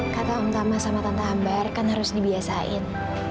kata om tama sama tante ambar kan harus dibiasain